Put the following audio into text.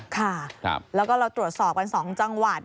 ค่ะแล้วก็เราตรวจสอบกัน๒จังหวัด